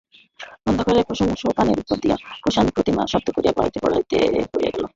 অন্ধকারে পাষাণসোপানের উপর দিয়া পাষাণপ্রতিমা শব্দ করিয়া গড়াইতে গড়াইতে গোমতীর জলের মধ্যে পড়িয়া গেল।